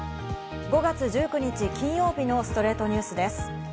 ５月１９日、金曜日の『ストレイトニュース』です。